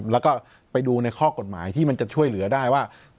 แล้วก็ไปดูในข้อกฎหมายที่มันจะช่วยเหลือได้ว่า